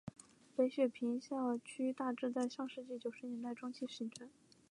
北雪平校区大致在上世纪九十年代中期形成。